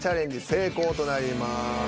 成功となります。